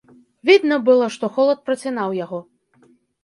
Відно было, што холад працінаў яго.